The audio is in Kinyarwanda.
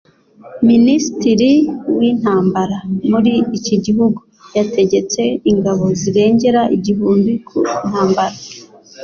minisitiri w’intambara muri iki gihugu, yategetse ingabo zirengera igihumbi ku ntambara